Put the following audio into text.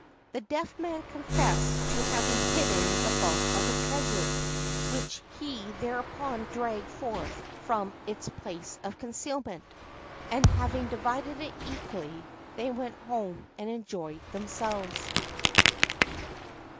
The Deaf Man confessed to having hidden the bulk of the treasure, which he thereupon dragged forth from its place of concealment, and, having divided it equally, they went home and enjoyed themselves.